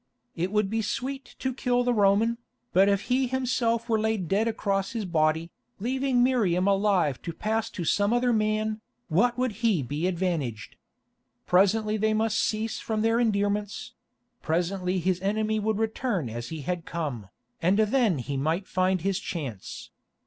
It would be sweet to kill the Roman, but if he himself were laid dead across his body, leaving Miriam alive to pass to some other man, what would he be advantaged? Presently they must cease from their endearments; presently his enemy would return as he had come, and then he might find his chance.